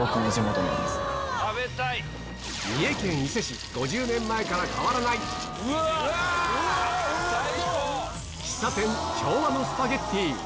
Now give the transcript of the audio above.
三重県伊勢市、５０年前から変わらない、喫茶店・昭和のスパゲッティ。